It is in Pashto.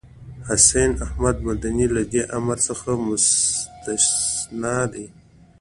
حسين احمد مدني له دې امر څخه مستثنی دی.